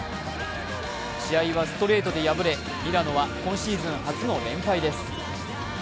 試合はストレートで敗れミラノは今シーズン初の連敗です。